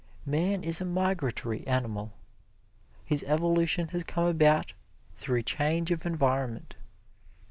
Man is a migratory animal. His evolution has come about through change of environment.